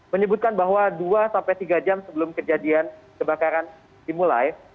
menyebutkan bahwa dua sampai tiga jam sebelum kejadian kebakaran dimulai